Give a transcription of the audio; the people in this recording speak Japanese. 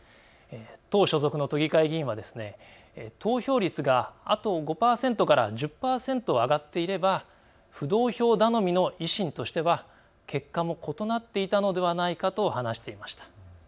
党所属の都議会議員は投票率があと５％から１０％上がっていれば浮動票頼みの維新としては結果も異なっていたのではないかと話していました。